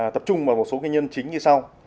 tập trung vào một số nguyên nhân chính như sau